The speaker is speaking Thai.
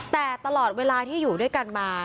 แต่ตลอดเวลาที่อยู่ด้วยกันมา